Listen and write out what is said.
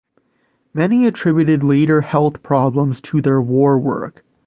Many attributed later health problems to their war work.